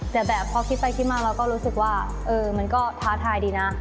แต่แบบพอคิดไปคิดมาเราก็รู้สึกว่าเออมันก็ท้าทายดีนะ